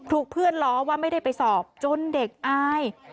เพื่อนล้อว่าไม่ได้ไปสอบจนเด็กอาย